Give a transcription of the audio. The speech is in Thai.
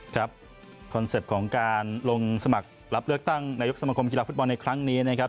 คอนเซ็ปต์ของการลงสมัครรับเลือกตั้งนายกสมคมกีฬาฟุตบอลในครั้งนี้นะครับ